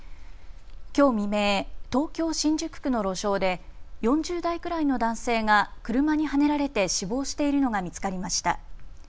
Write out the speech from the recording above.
きょう未明、東京新宿区の路上で４０代くらいの男性が車にはねられて死亡しているのが見つかりました。